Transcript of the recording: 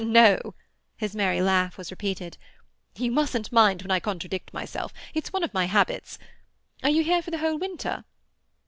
"No." His merry laugh was repeated. "You mustn't mind when I contradict myself; it's one of my habits. Are you here for the whole winter?"